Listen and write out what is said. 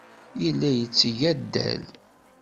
Yella yetteg addal.